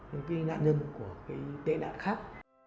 những nạn nhân của tệ nạn khác